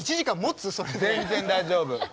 全然大丈夫。